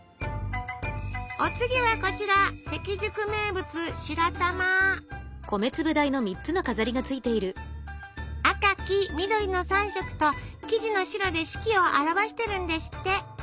お次はこちら関宿名物赤黄緑の３色と生地の白で四季を表してるんですって！